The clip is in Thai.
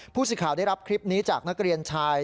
ผู้สื่อข่าวได้รับคลิปนี้จากนักเรียนชาย